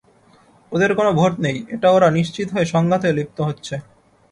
ওদের কোনো ভোট নেই, এটা ওরা নিশ্চিত হয়ে সংঘাতে লিপ্ত হচ্ছে।